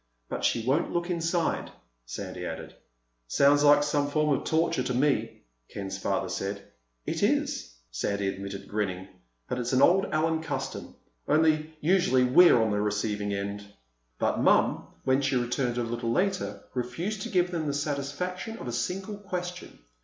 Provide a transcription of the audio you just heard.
"But she won't look inside," Sandy added. "Sounds like some form of torture to me," Ken's father said. "It is," Sandy admitted, grinning. "But it's an old Allen custom—only usually we're on the receiving end." But Mom, when she returned a little later, refused to give them the satisfaction of a single question.